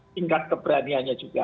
tingkat keberaniannya juga